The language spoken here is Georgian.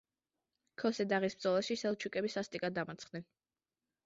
ქოსე-დაღის ბრძოლაში სელჩუკები სასტიკად დამარცხდნენ.